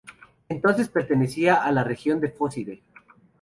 Entonces pertenecía a la región de Fócide.